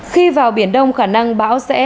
khi vào biển đông khả năng bão sẽ đi vào biển đông